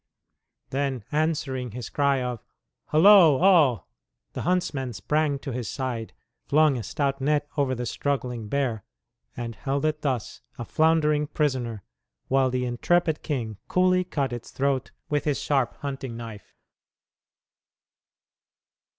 Then, answering his cry of "Holo, all!" the huntsmen sprang to his side, flung a stout net over the struggling bear, and held it thus, a floundering prisoner, while the intrepid king coolly cut its throat with his sharp hunting knife.